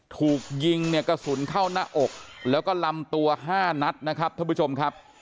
ถูกยิงเนี่ยกระสุนเข้าหน้าอกแล้วก็ลำตัว๕นัดนะครับท่านผู้ชมครับ